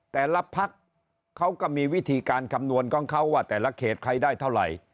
แต่ละพักเขาก็มีวิธีการคำนวณของเขาว่าแต่ละเขตใครได้เท่าไหร่